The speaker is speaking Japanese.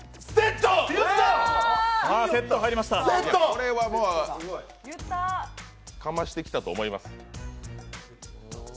これは、もうかましてきたと思います。